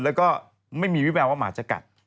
แล้วก็ไม่มีมีประแม่ว่าหมาจะกัด